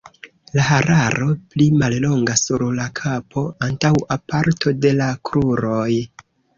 La hararo pli mallonga sur la kapo, antaŭa parto de la kruroj.